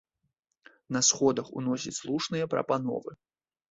На сходах ўносіць слушныя прапановы.